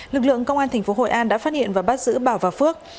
lực lượng công an thành phố hội an đã phát hiện và bắt giữ bảo và phước